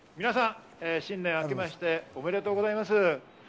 皆さん、新年あけましておめでとうございます。